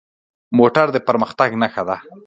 موټر د پرمختګ نښه ده.